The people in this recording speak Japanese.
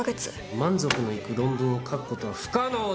満足のいく論文を書くことは不可能だ。